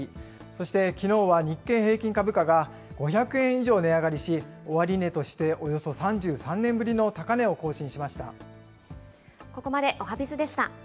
そしてきのうは日経平均株価が５００円以上値上がりし、終値としておよそ３３年ぶりの高値を更新しました。